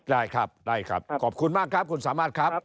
ได้ครับได้ครับขอบคุณมากครับคุณสามารถครับ